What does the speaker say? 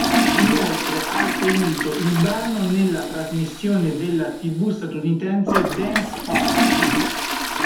Inoltre ha eseguito il brano nella trasmissione della tv statunitense "Dance Party".